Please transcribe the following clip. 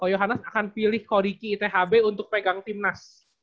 ko johannes akan pilih ko riki thb untuk pegang tim nas